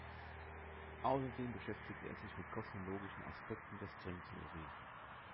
Außerdem beschäftigte er sich mit kosmologischen Aspekten der Stringtheorie.